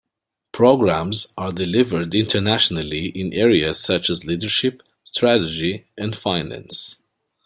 Programmes are delivered internationally in areas such as leadership, strategy and finance.